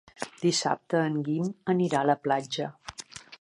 Dissabte en Guim anirà a la platja.